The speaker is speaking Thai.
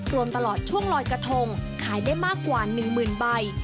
รวมตลอดช่วงลอยกระทงขายได้มากกว่า๑๐๐๐ใบ